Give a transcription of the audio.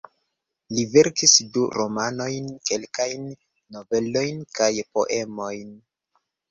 Li verkis du romanojn, kelkajn novelojn kaj poemojn.